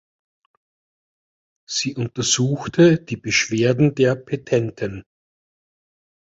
Sie untersuchte die Beschwerden der Petenten.